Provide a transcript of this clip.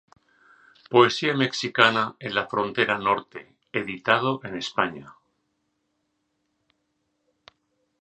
Poesía mexicana en la frontera norte", editado en España.